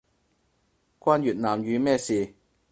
關越南語咩事